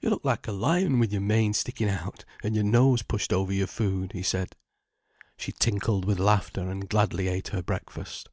"You look like a lion, with your mane sticking out, and your nose pushed over your food," he said. She tinkled with laughter, and gladly ate her breakfast.